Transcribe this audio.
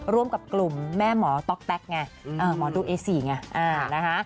ร่วมกับกลุ่มแม่หมอต๊อกแต๊กไงหมอดูเอสี่ไงนะคะ